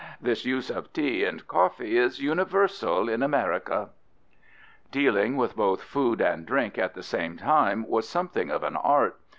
This use of tea and coffee is universal in America. Dealing with both food and drink at the same time was something of an art.